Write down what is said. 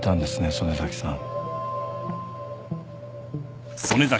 曽根崎さん。